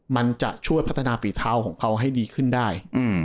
มันจะช่วยพัฒนาฝีเท้าของเขาให้ดีขึ้นได้